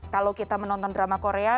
kalau kita menonton drama korea